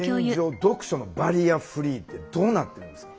読書のバリアフリーってどうなってるんですか？